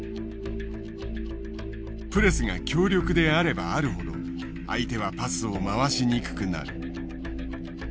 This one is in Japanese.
プレスが強力であればあるほど相手はパスを回しにくくなる。